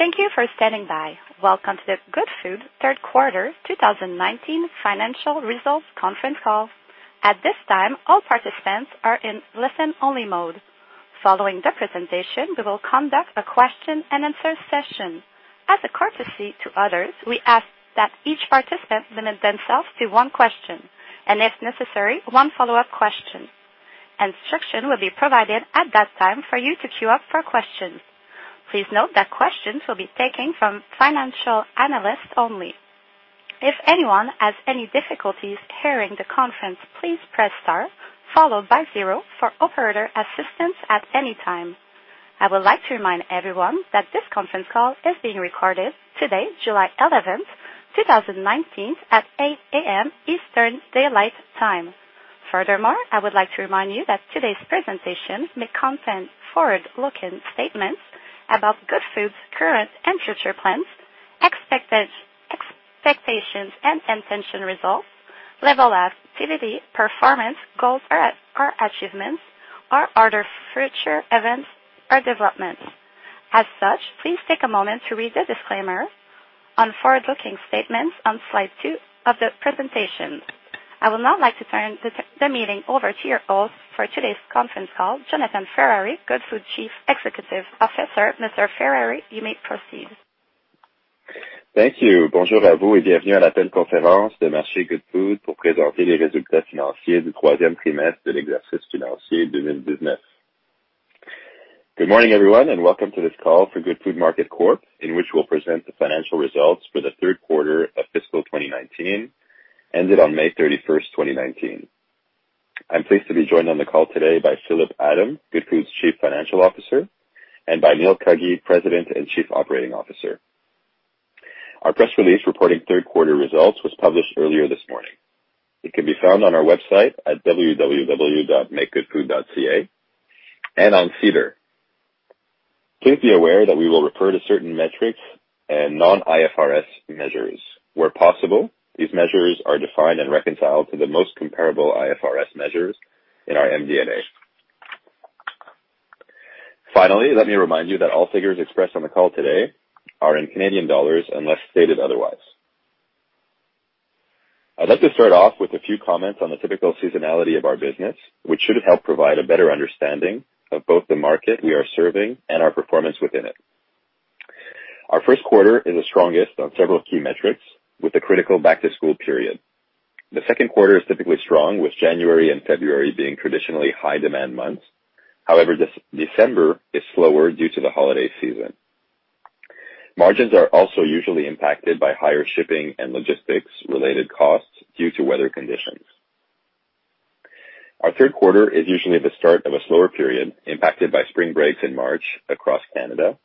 Thank you for standing by. Welcome to the Goodfood third quarter 2019 financial results conference call. At this time, all participants are in listen-only mode. Following the presentation, we will conduct a question-and-answer session. As a courtesy to others, we ask that each participant limit themselves to one question, and if necessary, one follow-up question. Instruction will be provided at that time for you to queue up for questions. Please note that questions will be taken from financial analysts only. If anyone has any difficulties hearing the conference, please press star followed by zero for operator assistance at any time. I would like to remind everyone that this conference call is being recorded today, July 11th, 2019, at 8:00 A.M. Eastern Daylight Time. I would like to remind you that today's presentation may contain forward-looking statements about Goodfood's current and future plans, expectations and potential results, level of activity, performance, goals or achievements, or other future events or developments. As such, please take a moment to read the disclaimer on forward-looking statements on slide two of the presentation. I would now like to turn the meeting over to your host for today's conference call, Jonathan Ferrari, Goodfood Chief Executive Officer. Mr. Ferrari, you may proceed. Thank you. Good morning, everyone, and welcome to this call for Goodfood Market Corp., in which we'll present the financial results for the third quarter of fiscal 2019, ended on May 31st, 2019. I'm pleased to be joined on the call today by Philippe Adam, Goodfood's Chief Financial Officer, and by Neil Cuggy, President and Chief Operating Officer. Our press release reporting third quarter results was published earlier this morning. It can be found on our website at www.makegoodfood.ca and on SEDAR. Please be aware that we will refer to certain metrics and non-IFRS measures. Where possible, these measures are defined and reconciled to the most comparable IFRS measures in our MD&A. Finally, let me remind you that all figures expressed on the call today are in CAD unless stated otherwise. I'd like to start off with a few comments on the typical seasonality of our business, which should help provide a better understanding of both the market we are serving and our performance within it. Our first quarter is the strongest on several key metrics with the critical back-to-school period. The second quarter is typically strong, with January and February being traditionally high-demand months. However, December is slower due to the holiday season. Margins are also usually impacted by higher shipping and logistics-related costs due to weather conditions. Our third quarter is usually the start of a slower period, impacted by spring breaks in March across Canada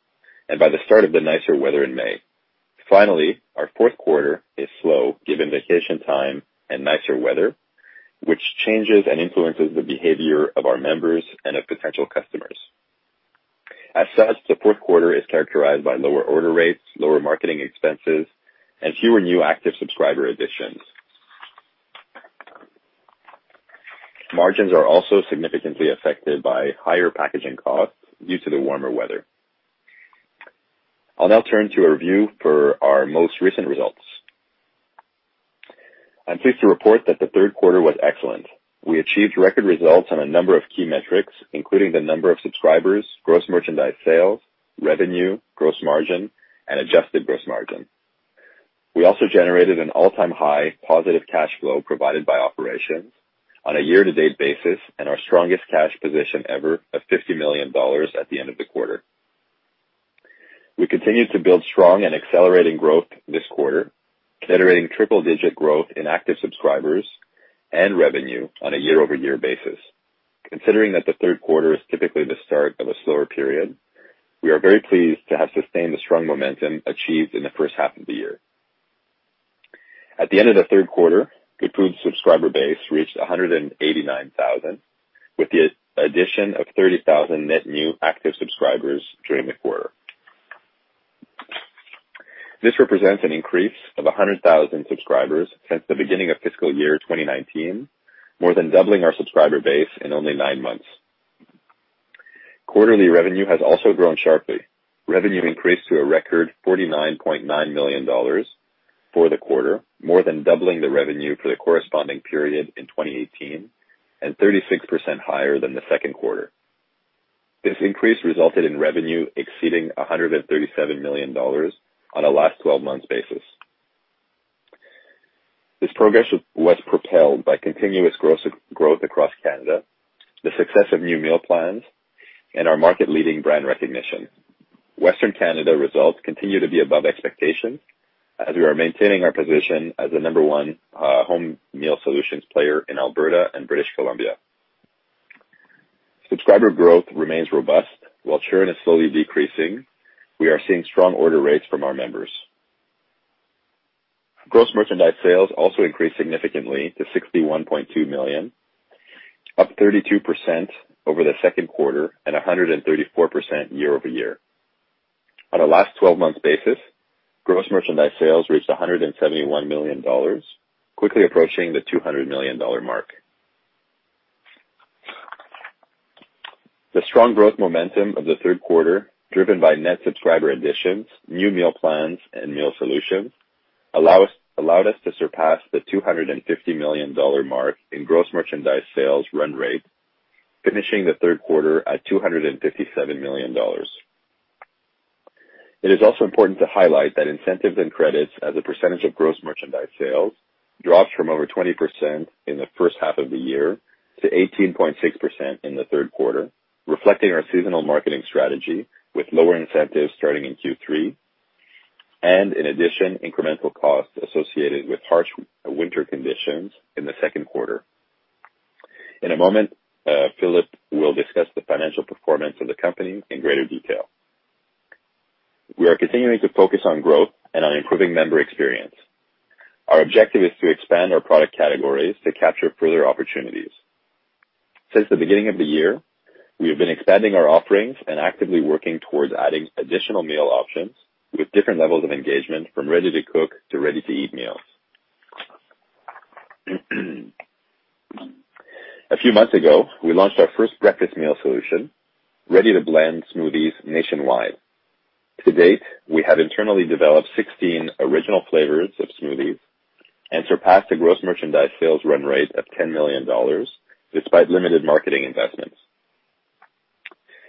and by the start of the nicer weather in May. Finally, our fourth quarter is slow given vacation time and nicer weather, which changes and influences the behavior of our members and of potential customers. The fourth quarter is characterized by lower order rates, lower marketing expenses, and fewer new active subscriber additions. Margins are also significantly affected by higher packaging costs due to the warmer weather. I'll now turn to a review for our most recent results. I'm pleased to report that the third quarter was excellent. We achieved record results on a number of key metrics, including the number of subscribers, gross merchandise sales, revenue, gross margin, and adjusted gross margin. We also generated an all-time high positive cash flow from operations on a year-to-date basis and our strongest cash position ever of 50 million dollars at the end of the quarter. We continued to build strong and accelerating growth this quarter, generating triple-digit growth in active subscribers and revenue on a year-over-year basis. Considering that the third quarter is typically the start of a slower period, we are very pleased to have sustained the strong momentum achieved in the first half of the year. At the end of the third quarter, Goodfood's subscriber base reached 189,000, with the addition of 30,000 net new active subscribers during the quarter. This represents an increase of 100,000 subscribers since the beginning of fiscal year 2019, more than doubling our subscriber base in only nine months. Quarterly revenue has also grown sharply. Revenue increased to a record 49.9 million dollars for the quarter, more than doubling the revenue for the corresponding period in 2018 and 36% higher than the second quarter. This increase resulted in revenue exceeding 137 million dollars on a last 12 months basis. This progress was propelled by continuous growth across Canada, the success of new meal plans, and our market-leading brand recognition. Western Canada results continue to be above expectations, as we are maintaining our position as the number one home meal solutions player in Alberta and British Columbia. Subscriber growth remains robust. While churn is slowly decreasing, we are seeing strong order rates from our members. Gross merchandise sales also increased significantly to 61.2 million, up 32% over the second quarter and 134% year-over-year. On a last 12 months basis, gross merchandise sales reached 171 million dollars, quickly approaching the 200 million dollar mark. The strong growth momentum of the third quarter driven by net subscriber additions, new meal plans, and meal solutions allowed us to surpass the 250 million dollar mark in gross merchandise sales run rate, finishing the third quarter at 257 million dollars. It is also important to highlight that incentives and credits as a percentage of gross merchandise sales drops from over 20% in the first half of the year to 18.6% in the third quarter, reflecting our seasonal marketing strategy with lower incentives starting in Q3, and in addition, incremental costs associated with harsh winter conditions in the second quarter. In a moment, Philippe will discuss the financial performance of the company in greater detail. We are continuing to focus on growth and on improving member experience. Our objective is to expand our product categories to capture further opportunities. Since the beginning of the year, we have been expanding our offerings and actively working towards adding additional meal options with different levels of engagement from ready-to-cook to ready-to-eat meals. A few months ago, we launched our first breakfast meal solution, ready-to-blend smoothies nationwide. To date, we have internally developed 16 original flavors of smoothies and surpassed the gross merchandise sales run rate of 10 million dollars despite limited marketing investments.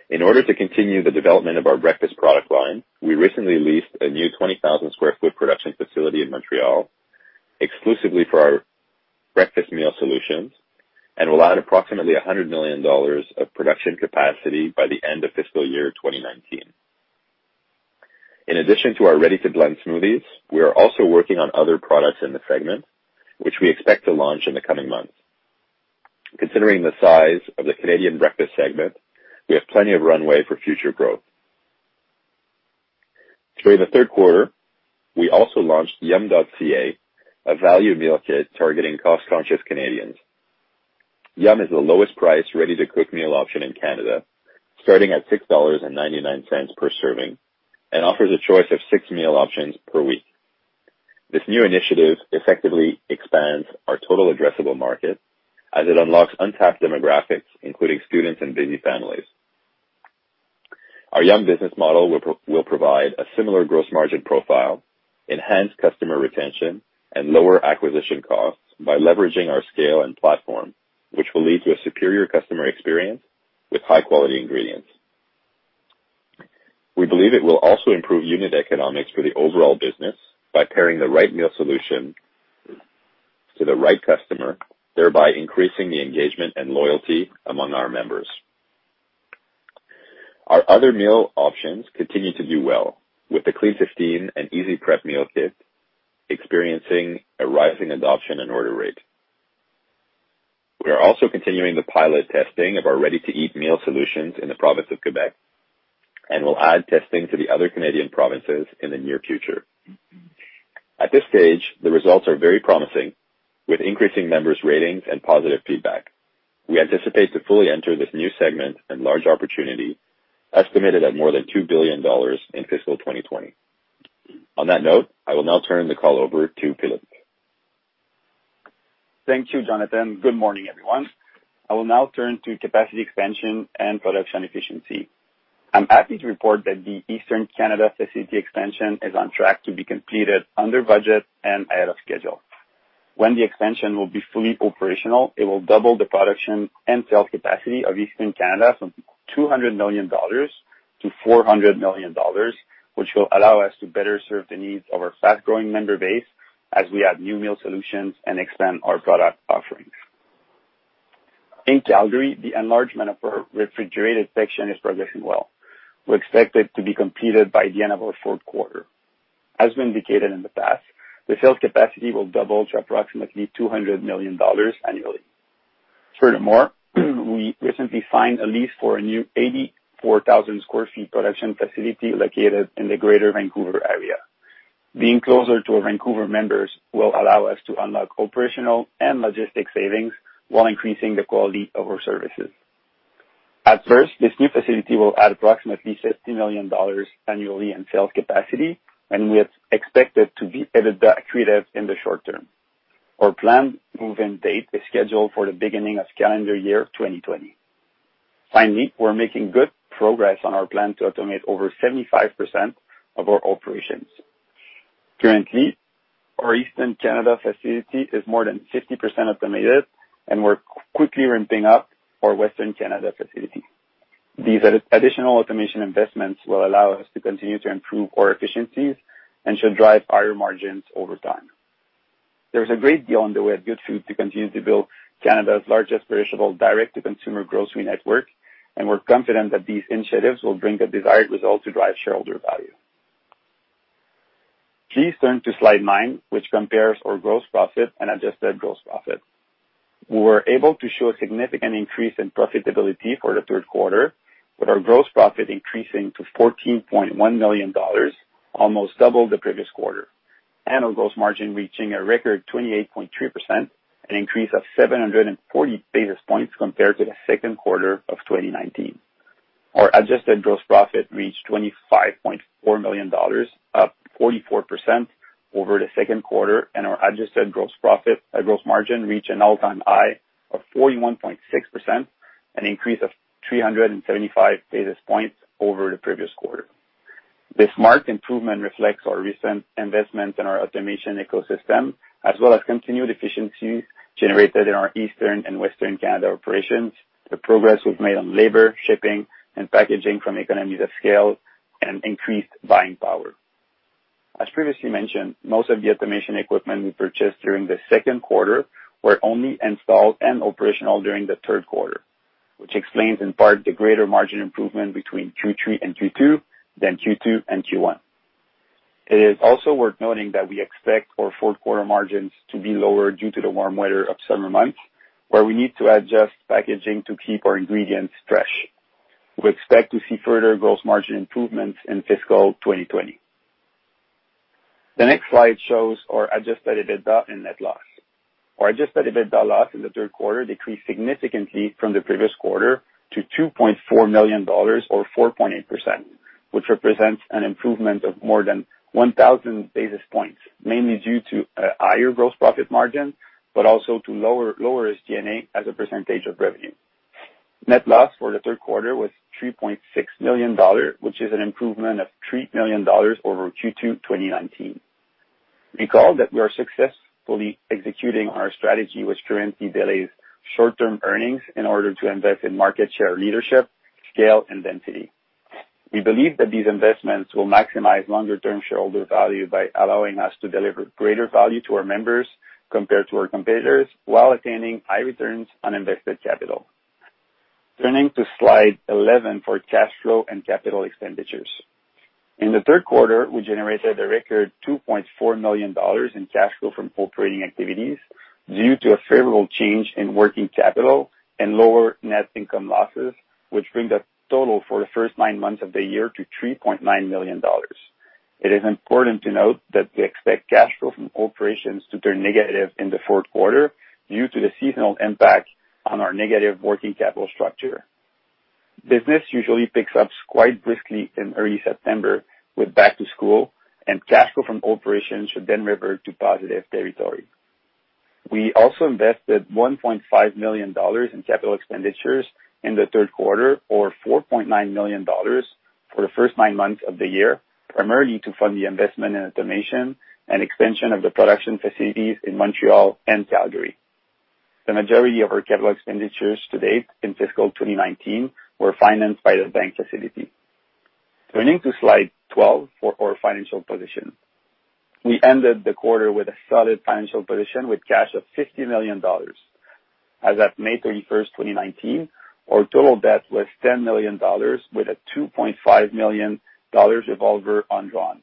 In order to continue the development of our breakfast product line, we recently leased a new 20,000 sq ft production facility in Montreal exclusively for our breakfast meal solutions and will add approximately 100 million dollars of production capacity by the end of FY 2019. In addition to our ready-to-blend smoothies, we are also working on other products in the segment, which we expect to launch in the coming months. Considering the size of the Canadian breakfast segment, we have plenty of runway for future growth. During the third quarter, we also launched Yumm.ca, a value meal kit targeting cost-conscious Canadians. Yumm is the lowest price ready-to-cook meal option in Canada, starting at 6.99 dollars per serving, and offers a choice of six meal options per week. This new initiative effectively expands our total addressable market as it unlocks untapped demographics, including students and busy families. Our Yumm business model will provide a similar gross margin profile, enhance customer retention, and lower acquisition costs by leveraging our scale and platform, which will lead to a superior customer experience with high-quality ingredients. We believe it will also improve unit economics for the overall business by pairing the right meal solution to the right customer, thereby increasing the engagement and loyalty among our members. Our other meal options continue to do well with the Clean15 and Easy Prep meal kit experiencing a rising adoption and order rate. We are also continuing the pilot testing of our ready-to-eat meal solutions in the province of Quebec, and will add testing to the other Canadian provinces in the near future. At this stage, the results are very promising with increasing members' ratings and positive feedback. We anticipate to fully enter this new segment and large opportunity estimated at more than 2 billion dollars in FY 2020. On that note, I will now turn the call over to Philippe. Thank you, Jonathan. Good morning, everyone. I will now turn to capacity expansion and production efficiency. I'm happy to report that the Eastern Canada facility expansion is on track to be completed under budget and ahead of schedule. When the expansion will be fully operational, it will double the production and sales capacity of Eastern Canada from 200 million-400 million dollars, which will allow us to better serve the needs of our fast-growing member base as we add new meal solutions and expand our product offerings. In Calgary, the enlargement of our refrigerated section is progressing well. We expect it to be completed by the end of our fourth quarter. As indicated in the past, the sales capacity will double to approximately 200 million dollars annually. Furthermore, we recently signed a lease for a new 84,000 sq ft production facility located in the Greater Vancouver area. Being closer to our Vancouver members will allow us to unlock operational and logistic savings while increasing the quality of our services. At first, this new facility will add approximately 50 million dollars annually in sales capacity, and we expect it to be accretive in the short term. Our planned move-in date is scheduled for the beginning of calendar year 2020. Finally, we're making good progress on our plan to automate over 75% of our operations. Currently, our Eastern Canada facility is more than 50% automated, and we're quickly ramping up our Western Canada facility. These additional automation investments will allow us to continue to improve our efficiencies and should drive higher margins over time. There's a great deal on the way at Goodfood to continue to build Canada's largest perishable direct-to-consumer grocery network, and we're confident that these initiatives will bring the desired results to drive shareholder value. Please turn to slide nine, which compares our gross profit and adjusted gross profit. We were able to show a significant increase in profitability for the third quarter, with our gross profit increasing to 14.1 million dollars, almost double the previous quarter. Annual gross margin reaching a record 28.3%, an increase of 740 basis points compared to the second quarter of 2019. Our adjusted gross profit reached 25.4 million dollars, up 44% over the second quarter, and our adjusted gross margin reached an all-time high of 41.6%, an increase of 375 basis points over the previous quarter. This marked improvement reflects our recent investment in our automation ecosystem, as well as continued efficiencies generated in our Eastern and Western Canada operations, the progress we've made on labor, shipping, and packaging from economies of scale, and increased buying power. As previously mentioned, most of the automation equipment we purchased during the second quarter were only installed and operational during the third quarter, which explains in part the greater margin improvement between Q3 and Q2 than Q2 and Q1. It is also worth noting that we expect our fourth quarter margins to be lower due to the warm weather of summer months, where we need to adjust packaging to keep our ingredients fresh. We expect to see further gross margin improvements in fiscal 2020. The next slide shows our adjusted EBITDA and net loss. Our adjusted EBITDA loss in the third quarter decreased significantly from the previous quarter to 2.4 million dollars or 4.8%, which represents an improvement of more than 1,000 basis points, mainly due to a higher gross profit margin, but also to lower SG&A as a percentage of revenue. Net loss for the third quarter was 3.6 million dollars, which is an improvement of 3 million dollars over Q2 2019. Recall that we are successfully executing our strategy, which currently delays short-term earnings in order to invest in market share leadership, scale, and density. We believe that these investments will maximize longer-term shareholder value by allowing us to deliver greater value to our members compared to our competitors while attaining high returns on invested capital. Turning to Slide 11 for cash flow and capital expenditures. In the third quarter, we generated a record 2.4 million dollars in cash flow from operations due to a favorable change in working capital and lower net income losses, which brings a total for the first nine months of the year to 3.9 million dollars. It is important to note that we expect cash flow from operations to turn negative in the fourth quarter due to the seasonal impact on our negative working capital structure. Business usually picks up quite briskly in early September with back to school and cash flow from operations should then revert to positive territory. We also invested 1.5 million dollars in capital expenditures in the third quarter or 4.9 million dollars for the first nine months of the year, primarily to fund the investment in automation and expansion of the production facilities in Montreal and Calgary. The majority of our capital expenditures to date in fiscal 2019 were financed by the bank facility. Turning to Slide 12 for our financial position. We ended the quarter with a solid financial position with cash of 50 million dollars. As at May 31st, 2019, our total debt was 10 million dollars with a 2.5 million dollars revolver undrawn.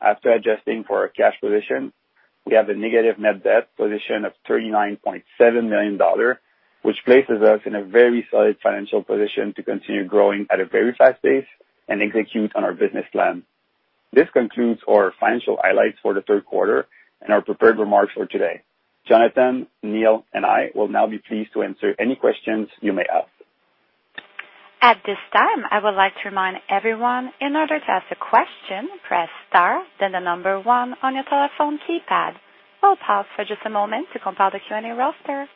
After adjusting for our cash position, we have a negative net debt position of 39.7 million dollars, which places us in a very solid financial position to continue growing at a very fast pace and execute on our business plan. This concludes our financial highlights for the third quarter and our prepared remarks for today. Jonathan, Neil, and I will now be pleased to answer any questions you may have. At this time, I would like to remind everyone, in order to ask a question, press star, then the number one on your telephone keypad. We'll pause for just a moment to compile the Q&A roster.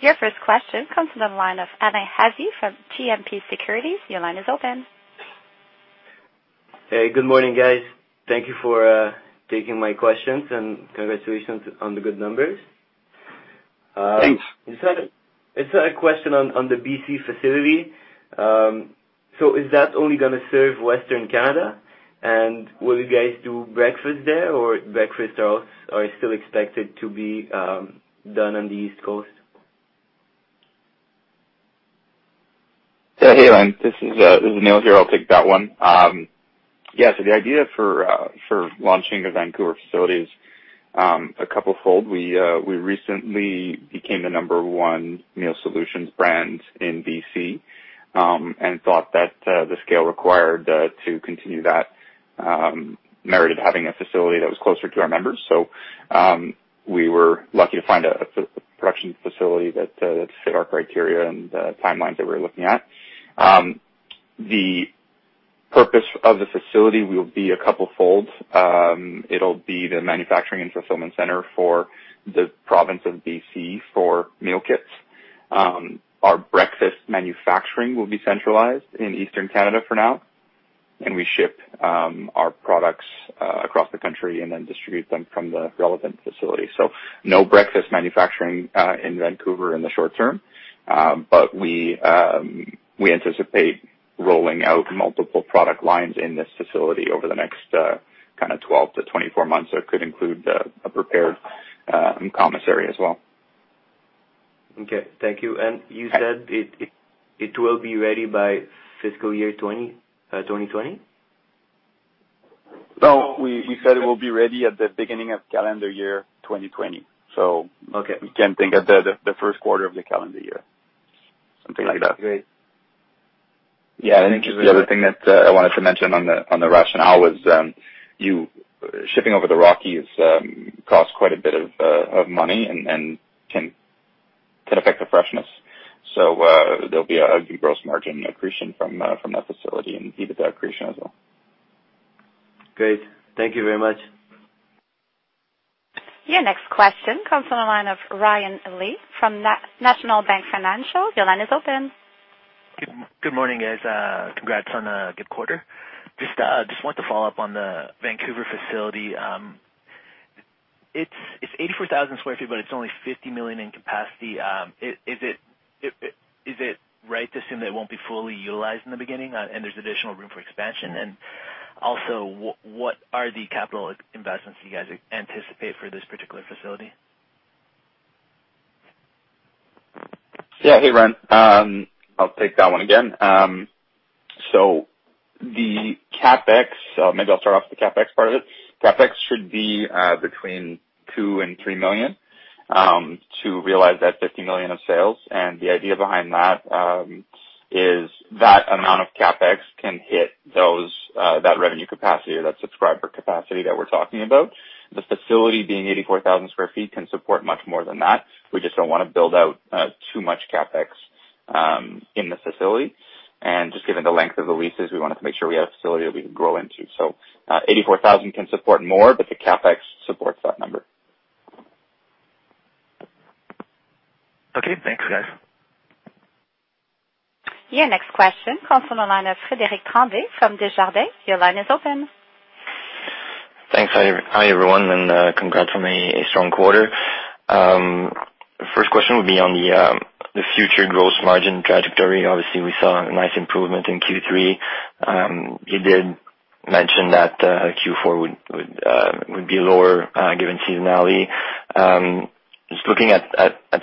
Your first question comes from the line of Aman Handa from GMP Securities. Your line is open. Hey, good morning, guys. Thank you for taking my questions, and congratulations on the good numbers. Thanks. It's a question on the BC facility. Is that only going to serve Western Canada? Will you guys do breakfast there or breakfast are still expected to be done on the East Coast? Hey, Aman, this is Neil here. I'll take that one. The idea for launching a Vancouver facility is a couplefold. We recently became the number one meal solutions brand in BC and thought that the scale required to continue that merited having a facility that was closer to our members. We were lucky to find a production facility that fit our criteria and the timelines that we were looking at. The purpose of the facility will be a couplefold. It'll be the manufacturing and fulfillment center for the province of BC for meal kits. Our breakfast manufacturing will be centralized in eastern Canada for now, we ship our products across the country and then distribute them from the relevant facility. No breakfast manufacturing in Vancouver in the short term. We anticipate rolling out multiple product lines in this facility over the next kind of 12-24 months. It could include a prepared commissary as well. Okay. Thank you. You said it will be ready by fiscal year 2020? No, we said it will be ready at the beginning of calendar year 2020. Okay. You can think of the first quarter of the calendar year, something like that. Great. Yeah. The other thing that I wanted to mention on the rationale was, shipping over the Rockies costs quite a bit of money and can affect the freshness. There'll be a gross margin accretion from that facility and EBITDA accretion as well. Great. Thank you very much. Your next question comes from the line of Ryan Lee from National Bank Financial. Your line is open. Good morning, guys. Congrats on a good quarter. Just wanted to follow up on the Vancouver facility. It is 84,000 sq ft, but it is only 50 million in capacity. Is it right to assume that it will not be fully utilized in the beginning, and there is additional room for expansion? Also, what are the capital investments you guys anticipate for this particular facility? Yeah. Hey, Ryan. I will take that one again. Maybe I will start off with the CapEx part of it. CapEx should be between 2 million and 3 million to realize that 50 million of sales. The idea behind that is that amount of CapEx can hit that revenue capacity or that subscriber capacity that we are talking about. The facility being 84,000 sq ft can support much more than that. We just do not want to build out too much CapEx in the facility. Just given the length of the leases, we wanted to make sure we have a facility that we can grow into. 84,000 can support more, but the CapEx supports that number. Okay, thanks, guys. Your next question comes from the line of Frederic Tremblay from Desjardins. Your line is open. Thanks. Hi, everyone, and congrats on a strong quarter. First question will be on the future gross margin trajectory. Obviously, we saw a nice improvement in Q3. You did mention that Q4 would be lower, given seasonality. Just looking at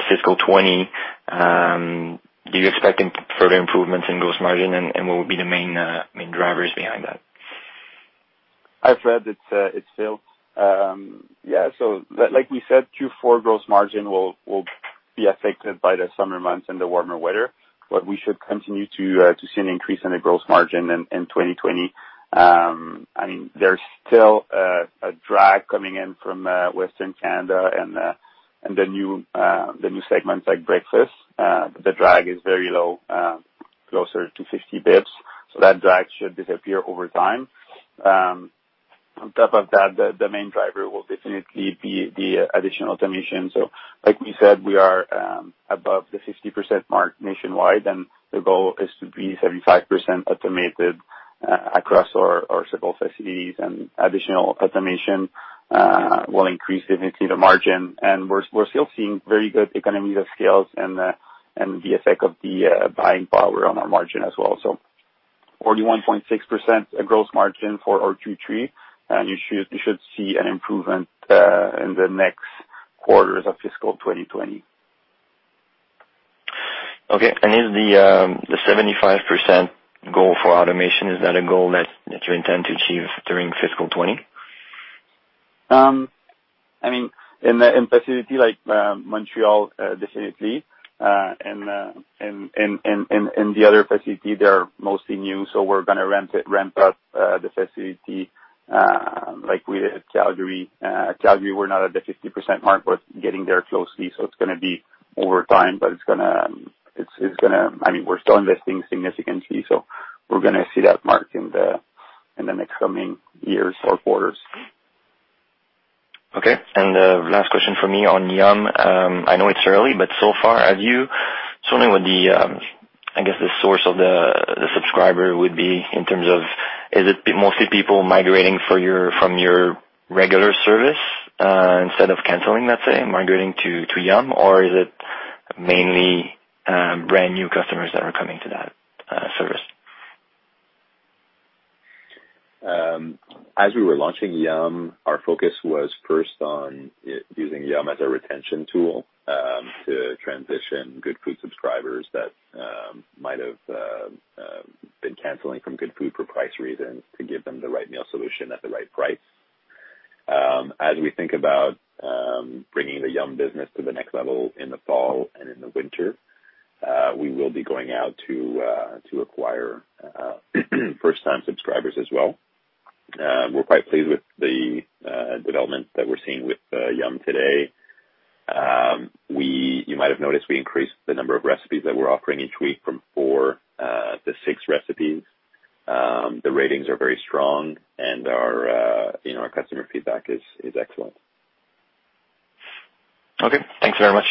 fiscal 2020, do you expect further improvements in gross margin, and what would be the main drivers behind that? Hi, Fred. It's Phil. Like we said, Q4 gross margin will be affected by the summer months and the warmer weather, but we should continue to see an increase in the gross margin in 2020. There's still a drag coming in from Western Canada and the new segments like breakfast. The drag is very low, closer to 50 basis points, that drag should disappear over time. On top of that, the main driver will definitely be the additional automation. Like we said, we are above the 50% mark nationwide, and the goal is to be 75% automated across our several facilities, and additional automation will increase, definitely, the margin. We're still seeing very good economies of scales and the effect of the buying power on our margin as well. 41.6% gross margin for our Q3, and you should see an improvement in the next quarters of fiscal 2020. Okay. Is the 75% goal for automation, is that a goal that you intend to achieve during fiscal 2020? In a facility like Montreal, definitely. In the other facilities, they are mostly new, we're going to ramp up the facility, like we did Calgary. Calgary, we're not at the 50% mark, but getting there closely. It's going to be over time, but we're still investing significantly, we're going to see that mark in the next coming years or quarters. Okay. The last question from me on Yumm. I know it's early, but so far, just wondering what the source of the subscriber would be in terms of, is it mostly people migrating from your regular service, instead of canceling, let's say, migrating to Yumm? Is it mainly brand-new customers that are coming to that service? As we were launching Yumm, our focus was first on using Yumm as a retention tool to transition Goodfood subscribers that might have been canceling from Goodfood for price reasons, to give them the right meal solution at the right price. As we think about bringing the Yumm business to the next level in the fall and in the winter, we will be going out to acquire first-time subscribers as well. We're quite pleased with the development that we're seeing with Yumm today. You might have noticed we increased the number of recipes that we're offering each week from four to six recipes. The ratings are very strong, our customer feedback is excellent. Okay. Thanks very much.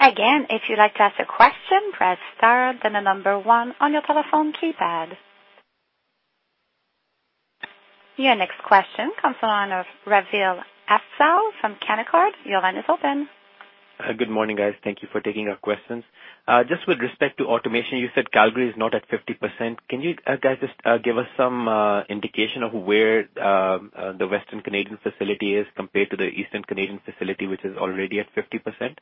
Again, if you'd like to ask a question, press star then the number 1 on your telephone keypad. Your next question comes from Asdaq Afzal from Canaccord. Your line is open. Good morning, guys. Thank you for taking our questions. Just with respect to automation, you said Calgary is not at 50%. Can you guys just give us some indication of where the Western Canadian facility is compared to the Eastern Canadian facility, which is already at 50%?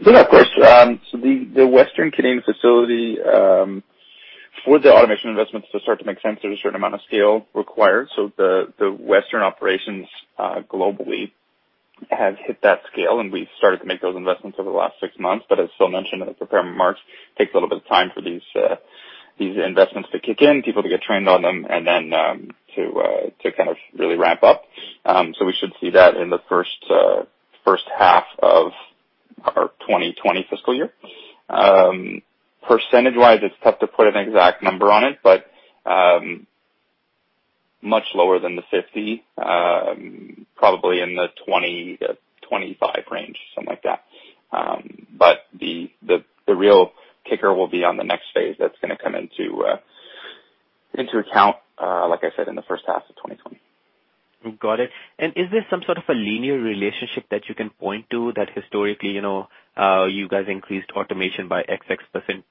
Yes, of course. The Western Canadian facility, for the automation investments to start to make sense, there's a certain amount of scale required. The Western operations globally have hit that scale, and we've started to make those investments over the last 6 months. As Phil mentioned in the prepared remarks, takes a little bit of time for these investments to kick in, people to get trained on them, and then to really ramp up. We should see that in the first half of our 2020 fiscal year. Percentage-wise, it's tough to put an exact number on it, but much lower than the 50%, probably in the 20%-25% range, something like that. The real kicker will be on the next phase that's going to come into account, like I said, in the first half of 2020. Got it. Is there some sort of a linear relationship that you can point to that historically, you guys increased automation by XX%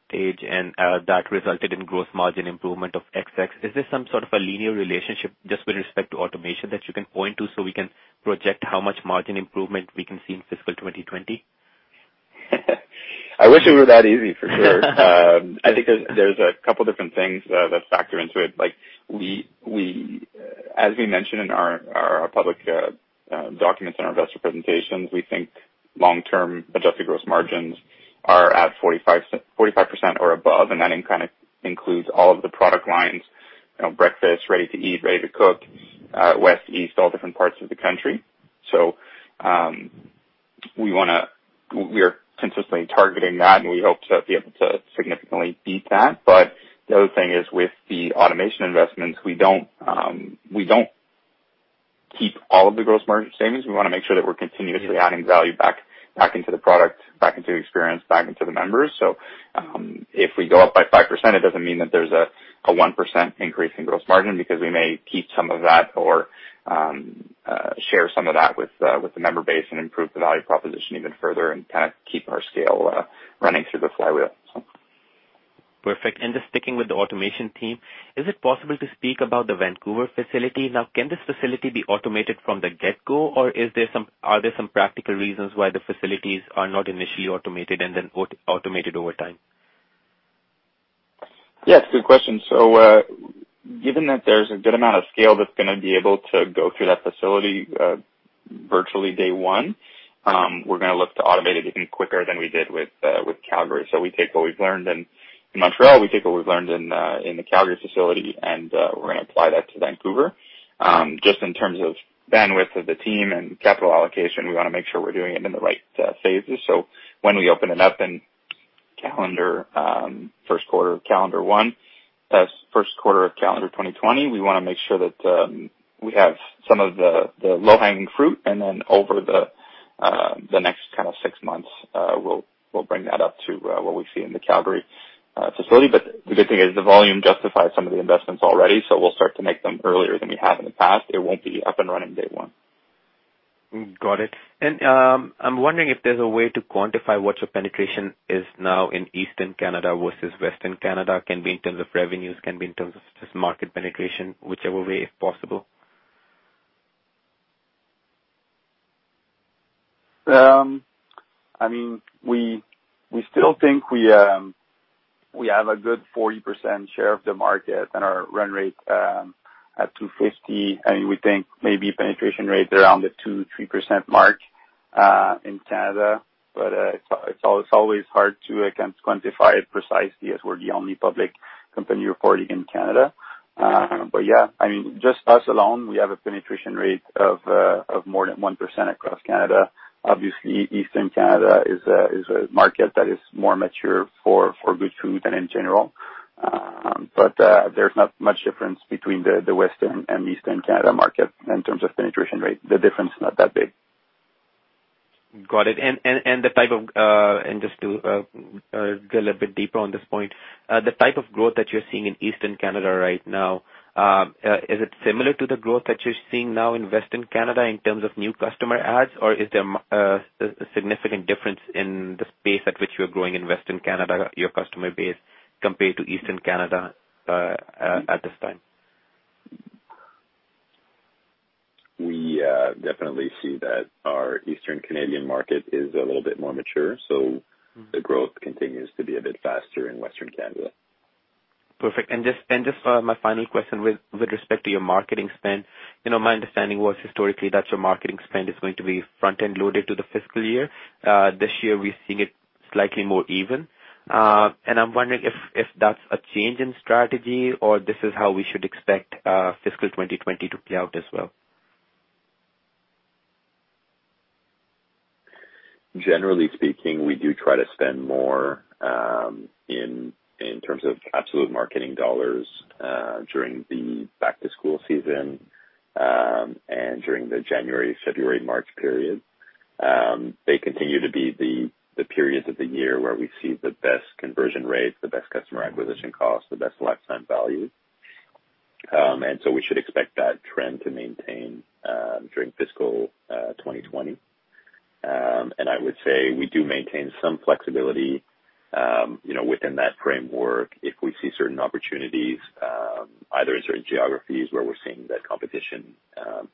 and that resulted in gross margin improvement of XX%? Is there some sort of a linear relationship just with respect to automation that you can point to so we can project how much margin improvement we can see in fiscal 2020? I wish it were that easy, for sure. I think there's a couple different things that factor into it. As we mentioned in our public documents, in our investor presentations, we think long-term adjusted gross margins are at 45% or above, and that includes all of the product lines, breakfast, ready-to-eat, ready-to-cook, West, East, all different parts of the country. We are consistently targeting that, and we hope to be able to significantly beat that. The other thing is with the automation investments, we don't keep all of the gross margin savings. We want to make sure that we're continuously adding value back into the product, back into experience, back into the members. If we go up by 5%, it doesn't mean that there's a 1% increase in gross margin because we may keep some of that or share some of that with the member base and improve the value proposition even further and keep our scale running through the flywheel. Perfect. Just sticking with the automation team, is it possible to speak about the Vancouver facility? Can this facility be automated from the get-go, or are there some practical reasons why the facilities are not initially automated and then automated over time? Yes, good question. Given that there's a good amount of scale that's going to be able to go through that facility virtually day one, we're going to look to automate it even quicker than we did with Calgary. We take what we've learned in Montreal, we take what we've learned in the Calgary facility, we're going to apply that to Vancouver. Just in terms of bandwidth of the team and capital allocation, we want to make sure we're doing it in the right phases. When we open it up in first quarter of calendar 2020, we want to make sure that we have some of the low-hanging fruit, then over the next six months, we'll bring that up to what we see in the Calgary facility. The good thing is the volume justifies some of the investments already, so we'll start to make them earlier than we have in the past. It won't be up and running day one. Got it. I'm wondering if there's a way to quantify what your penetration is now in Eastern Canada versus Western Canada, can be in terms of revenues, can be in terms of just market penetration, whichever way, if possible. We still think we have a good 40% share of the market and our run rate at 250, we think maybe penetration rates around the 2%-3% mark in Canada. It's always hard to, again, quantify it precisely as we're the only public company reporting in Canada. Just us alone, we have a penetration rate of more than 1% across Canada. Obviously, Eastern Canada is a market that is more mature for Goodfood than in general. There's not much difference between the Western and Eastern Canada market in terms of penetration rate. The difference is not that big. Got it. Just to go a little bit deeper on this point, the type of growth that you are seeing in Eastern Canada right now, is it similar to the growth that you are seeing now in Western Canada in terms of new customer adds? Or is there a significant difference in the pace at which you are growing in Western Canada, your customer base, compared to Eastern Canada at this time? We definitely see that our Eastern Canadian market is a little bit more mature, the growth continues to be a bit faster in Western Canada. Perfect. Just my final question with respect to your marketing spend. My understanding was historically that your marketing spend is going to be front-end loaded to the fiscal year. This year, we are seeing it slightly more even. I am wondering if that is a change in strategy or this is how we should expect fiscal 2020 to play out as well. Generally speaking, we do try to spend more, in terms of absolute marketing dollars, during the back-to-school season, and during the January, February, March period. They continue to be the periods of the year where we see the best conversion rates, the best customer acquisition costs, the best lifetime value. So we should expect that trend to maintain during fiscal 2020. I would say we do maintain some flexibility. Within that framework, if we see certain opportunities, either in certain geographies where we're seeing that competition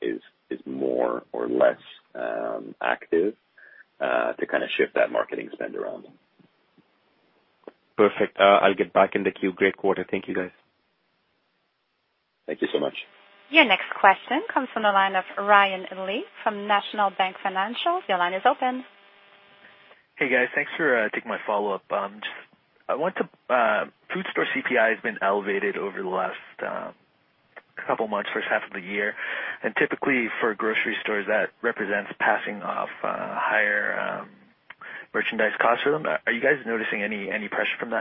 is more or less active, to kind of shift that marketing spend around. Perfect. I'll get back in the queue. Great quarter. Thank you, guys. Thank you so much. Your next question comes from the line of Ryan Lee from National Bank Financial. Your line is open. Hey, guys. Thanks for taking my follow-up. Food store CPI has been elevated over the last couple months, first half of the year. Typically, for grocery stores, that represents passing off higher merchandise costs for them. Are you guys noticing any pressure from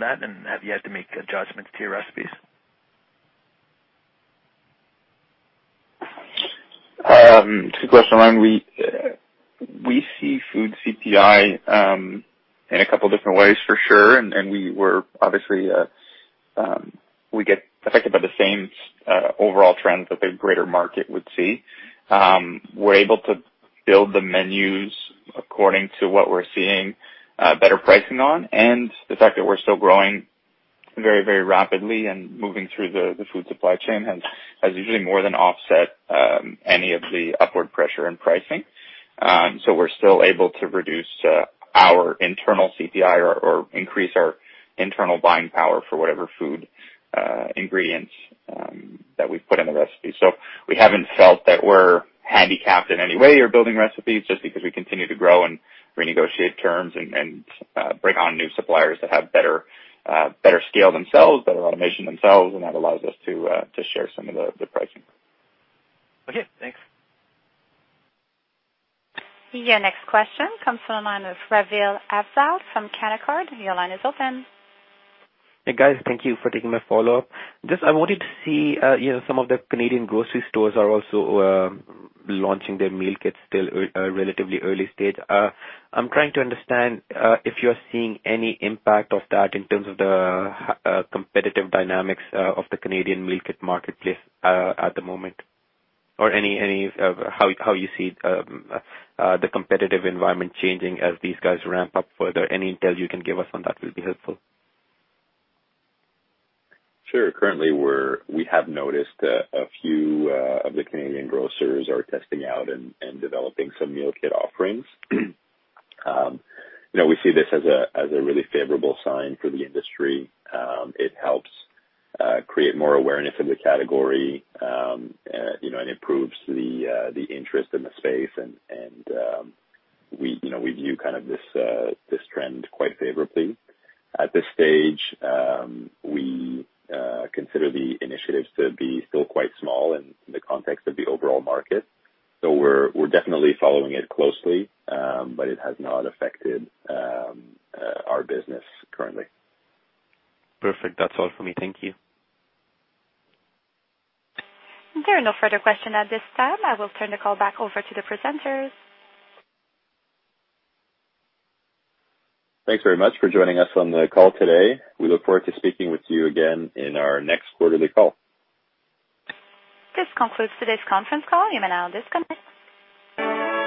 that, and have you had to make adjustments to your recipes? It's a good question, Ryan. We see food CPI in a couple different ways for sure, and we get affected by the same overall trends that the greater market would see. We're able to build the menus according to what we're seeing better pricing on. The fact that we're still growing very, very rapidly and moving through the food supply chain has usually more than offset any of the upward pressure in pricing. We're still able to reduce our internal CPI or increase our internal buying power for whatever food ingredients that we put in the recipe. We haven't felt that we're handicapped in any way or building recipes just because we continue to grow and renegotiate terms and bring on new suppliers that have better scale themselves, better automation themselves, and that allows us to share some of the pricing. Okay, thanks. Your next question comes from the line of Asdaq Afzal from Canaccord. Your line is open. Hey, guys. Thank you for taking my follow-up. I wanted to see, some of the Canadian grocery stores are also launching their meal kits, still relatively early stage. I'm trying to understand if you're seeing any impact of that in terms of the competitive dynamics of the Canadian meal kit marketplace at the moment. How you see the competitive environment changing as these guys ramp up further. Any intel you can give us on that will be helpful. Sure. Currently, we have noticed a few of the Canadian grocers are testing out and developing some meal kit offerings. We see this as a really favorable sign for the industry. It helps create more awareness in the category, and improves the interest in the space and we view this trend quite favorably. At this stage, we consider the initiatives to be still quite small in the context of the overall market. We're definitely following it closely, but it has not affected our business currently. Perfect. That's all for me. Thank you. There are no further questions at this time. I will turn the call back over to the presenters. Thanks very much for joining us on the call today. We look forward to speaking with you again in our next quarterly call. This concludes today's conference call. You may now disconnect.